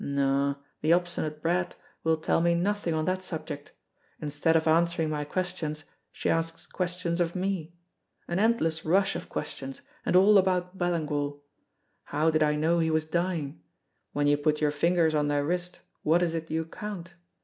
No, the obstinate brat will tell me nothing on that subject; instead of answering my questions she asks questions of me an endless rush of questions, and all about Ballingall. How did I know he was dying? When you put your fingers on their wrist, what is it you count?